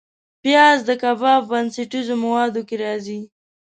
پیاز د کباب بنسټیز موادو کې راځي